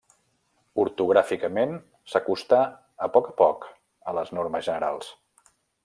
Ortogràficament, s'acostà a poc a poc a les normes generals.